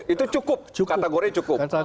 itu cukup kategorinya cukup